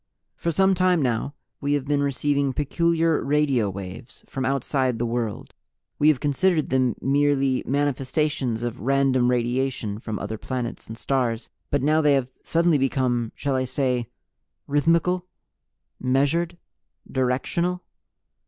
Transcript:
"For some time now We have been receiving peculiar radio waves from outside the world. We have considered them merely manifestations of random radiation from other planets and stars. But now they have suddenly become shall I say rhythmical? Measured? Directional?